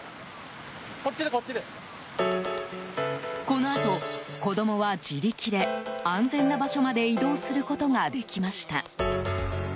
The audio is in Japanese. このあと、子供は自力で安全な場所まで移動することができました。